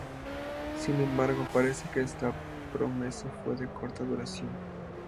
Sin embargo, parece que esta promesa fue de corta duración.